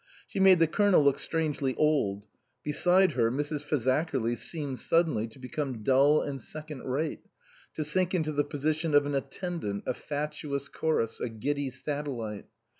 She made the Colonel look strangely old ; beside her Mrs. Fazakerly seemed suddenly to become dull and second rate, to sink into the position of an attendant, a fatuous chorus, a giddy satellite.